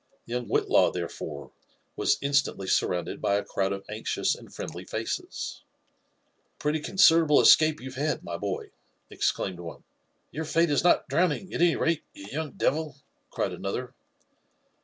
Young Whitlaw, therefore, was instantly surrounded by a crowd of anxious and friendly faces, JONATHAN JfiFFEftSON WHItLAW. 1ft "A pretty considerable escape you've had, my boy !" exclaimed one. " Your fate is not drowning, at any rate, you young devil/' cried another.